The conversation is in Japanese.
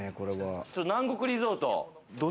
南国リゾート。